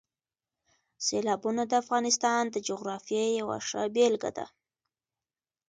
سیلابونه د افغانستان د جغرافیې یوه ښه بېلګه ده.